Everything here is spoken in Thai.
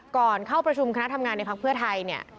ก่อนเข้าประชุมคณะทำงานในพักเพื่อไทยเนี่ย